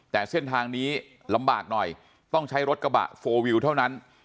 แต่เส้นทางนี้ลำบากหน่อยต้องใช้รถกระบะโฟลวิวเท่านั้น